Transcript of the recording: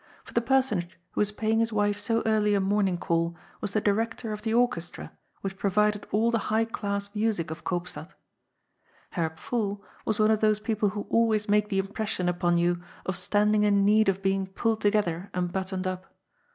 For the personage who WM paying his wife so early a morning call was the director of the Orchestra which provided all the high class music of Koopstad. Herr Pfuhl was one of those people who always make the impression upon you of standing in need of being pulled together and buttoned up.